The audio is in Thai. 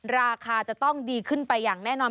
ราคาจะต้องดีขึ้นไปอย่างแน่นอน